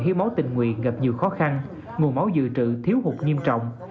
hiếu máu tình nguyện gặp nhiều khó khăn nguồn máu dự trự thiếu hụt nghiêm trọng